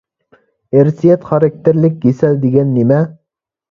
ئىرسىيەت خاراكتېرلىك كېسەل دېگەن نېمە؟